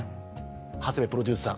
長谷部プロデューサー